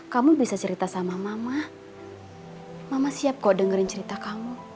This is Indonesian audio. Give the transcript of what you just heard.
kamu bisa cerita sama mama siap kok dengerin cerita kamu